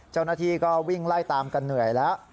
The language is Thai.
เจ้าหน้าที่ก็วิ่งไล่ตามกันเหนื่อยแล้ว